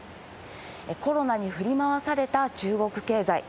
コロナに振り回された中国経済。